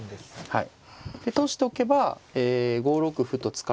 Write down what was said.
はい。